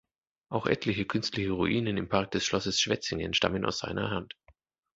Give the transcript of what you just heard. Auch etliche künstliche Ruinen im Park des Schlosses Schwetzingen stammen aus seiner Hand.